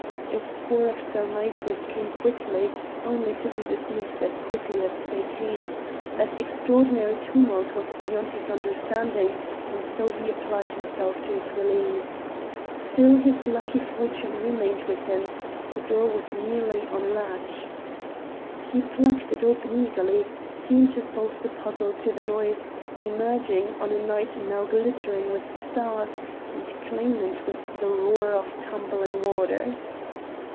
A score of surmises came quickly, only to be dismissed as quickly as they came; that extraordinary tumult was beyond his understanding, and so he applied himself to his release. Still his lucky fortune remained with him; the door was merely on a latch. He plucked it open eagerly, keen to solve the puzzle of the noise, emerging on a night now glittering with stars, and clamant with the roar of tumbling waters.